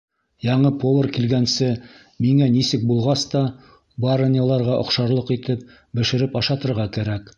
Яңы повар килгәнсе, миңә нисек булғас та, барыняларға оҡшарлыҡ итеп бешереп ашатырға кәрәк.